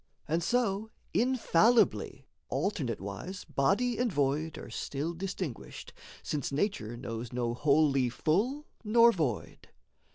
And so, infallibly, alternate wise Body and void are still distinguished, Since nature knows no wholly full nor void.